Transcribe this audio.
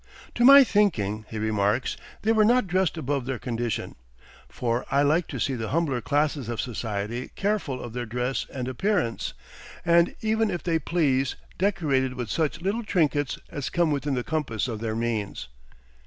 "To my thinking," he remarks, "they were not dressed above their condition; for I like to see the humbler classes of society careful of their dress and appearance, and even, if they please, decorated with such little trinkets as come within the compass of their means."